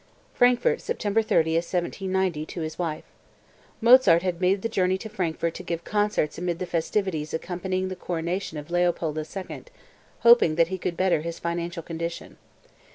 (Frankfort, September 30, 1790, to his wife. Mozart had made the journey to Frankfort to give concerts amidst the festivities accompanying the coronation of Leopold II, hoping that he could better his financial condition.